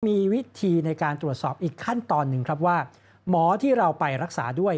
มีวิธีในการตรวจสอบอีกขั้นตอนหนึ่งครับว่าหมอที่เราไปรักษาด้วย